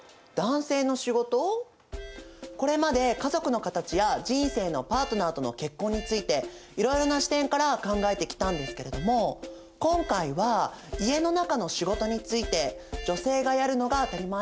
これまで家族のカタチや人生のパートナーとの結婚についていろいろな視点から考えてきたんですけれども今回は家の中の仕事について女性がやるのが当たり前？